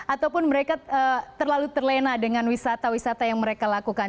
ataupun mereka terlalu terlena dengan wisata wisata yang mereka lakukan